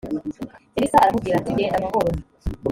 elisa aramubwira ati genda amahoro